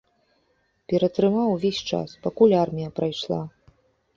Ператрымаў увесь час, пакуль армія прайшла.